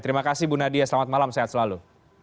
terima kasih bu nadia selamat malam sehat selalu